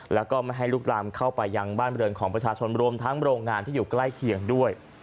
แล้วก็ไม่ให้ลุกลามเข้าไปยังบ้านบริเวณของประชาชนรวมทั้งโรงงานที่อยู่ใกล้เคียงด้วย